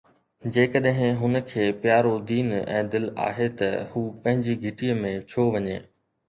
جيڪڏهن هن کي پيارو دين ۽ دل آهي ته هو پنهنجي گهٽيءَ ۾ ڇو وڃي؟